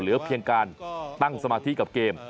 เหลือเพียงการตั้งสมาธิกับเกม